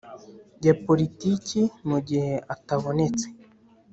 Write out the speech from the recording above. Ya politiki mu gihe atabonetse